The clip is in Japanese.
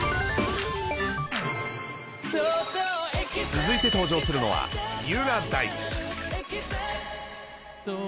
続いて登場するのは三浦大知。